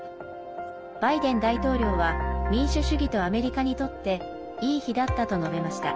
バイデン大統領は民主主義とアメリカにとっていい日だったと述べました。